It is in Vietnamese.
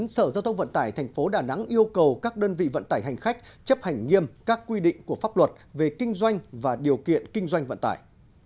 sở giao thông vận tải tp đà nẵng yêu cầu các đơn vị vận tải hành khách chấp hành nghiêm các quy định của pháp luật về kinh doanh và điều kiện kinh doanh vận tải